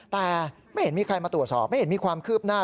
แต่ไม่เห็นมีใครมาตรวจสอบไม่เห็นมีความคืบหน้า